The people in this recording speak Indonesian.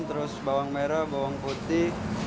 terus bawang merah bawang putih